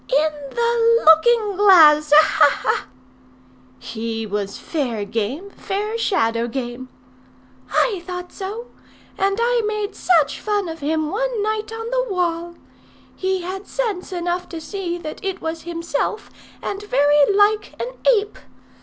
"In the looking glass. Ha! ha! ha!" "He was fair game; fair shadow game." "I thought so. And I made such fun of him one night on the wall! He had sense enough to see that it was himself, and very like an ape.